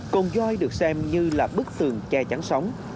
cồn doi được xem như là bức tường che chắn sóng